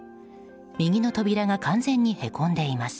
右の扉が完全にへこんでいます。